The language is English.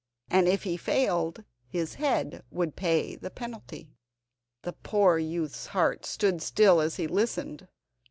And if he failed, his head would pay the penalty. The poor youth's heart stood still as he listened.